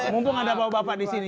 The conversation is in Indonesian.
mumpung ada bapak bapak disini